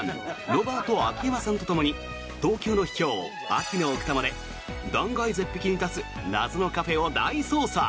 寺脇康文さんがサンドウィッチマンロバート秋山さんとともに東京の秘境、秋の奥多摩で断崖絶壁に立つ謎のカフェを大捜査！